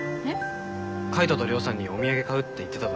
海斗と亮さんにお土産買うって言ってただろ？